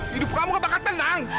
hidup kamu gak bakal tenang